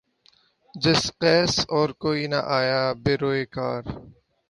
جزقیس اور کوئی نہ آیا بہ روے کار